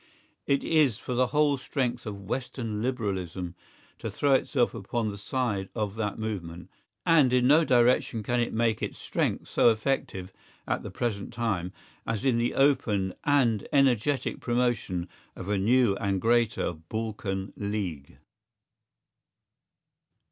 It is for the whole strength of western liberalism to throw itself upon the side of that movement, and in no direction can it make its strength so effective at the present time as in the open and energetic promotion of a new and greater Balkan League.